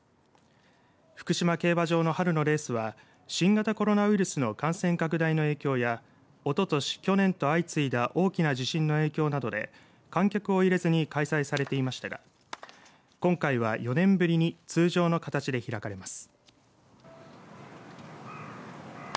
福島競馬場の春のレースは新型コロナウイルスの感染拡大の影響やおととし去年と相次いだ大きな地震の影響などで観客を入れずに開催されていましたが今回は４年ぶりに通常の形で開かれます。